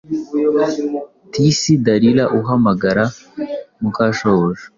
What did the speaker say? Tisi Dalila uhamagara, muka shobuja